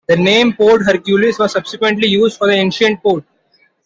The name Port Hercules was subsequently used for the ancient port.